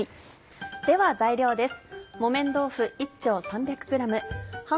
では材料です。